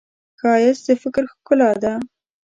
ښایست د فکر ښکلا ده